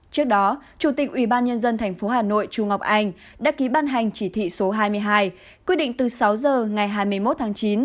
trước đó chủ tịch ubnd tp hà nội chu ngọc anh đã ký ban hành chỉ thị số hai mươi hai quyết định từ sáu giờ ngày hai mươi một tháng chín